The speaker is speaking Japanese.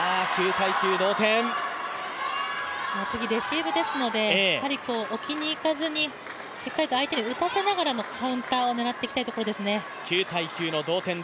次レシーブですので置きにいかずにしっかりと相手に打たせながらのカウンターを狙っていきたいところですね。